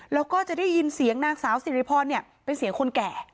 แล้วก็จะได้ยินเสียงนางสาวสิริพรเป็นเสียงคนแก่